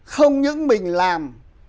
không những mình làm